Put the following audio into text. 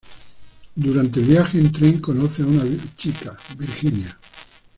Durante el viaje en tren, conoce a una chica, Virginia.